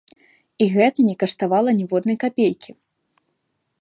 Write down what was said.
І гэта не каштавала ніводнай капейкі.